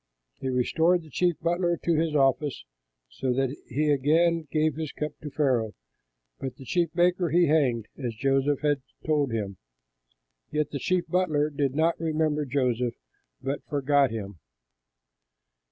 He restored the chief butler to his office, so that he again gave the cup to Pharaoh; but the chief baker he hanged, as Joseph had told them. Yet the chief butler did not remember Joseph, but forgot him.